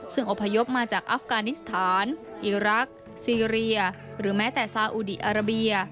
ซึ่งอพยพมาจากอัฟกานิสถานอีรักษ์ซีเรียหรือแม้แต่ซาอุดีอาราเบีย